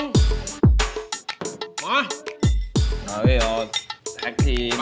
มาก็เหลือแท็กทีม